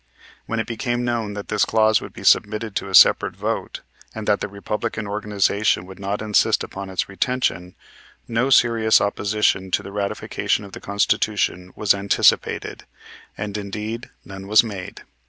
When it became known that this clause would be submitted to a separate vote, and that the Republican organization would not insist upon its retention, no serious opposition to the ratification of the Constitution was anticipated. And, indeed, none was made.